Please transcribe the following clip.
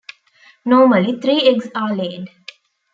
Normally, three eggs are laid.